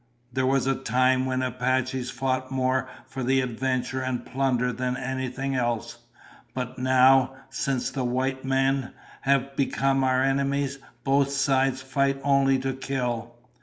There was a time when Apaches fought more for adventure and plunder than anything else. But now, since the white men have become our enemies, both sides fight only to kill."